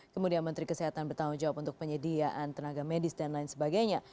kemudian menteri kesehatan bertanggung jawab untuk penyediaan tenaga medis dan lain sebagainya